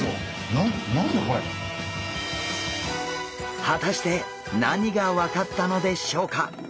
果たして何が分かったのでしょうか？